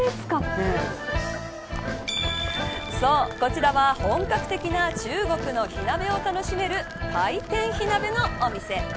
そう、こちらは本格的な中国の火鍋を楽しめる回転火鍋のお店。